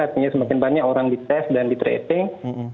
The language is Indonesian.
artinya semakin banyak orang di tes dan di tracing